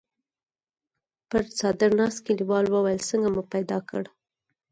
پر څادر ناست کليوال وويل: څنګه مو پيدا کړ؟